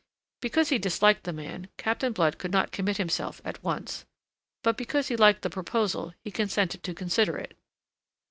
Because he disliked the man, Captain Blood would not commit himself at once. But because he liked the proposal he consented to consider it.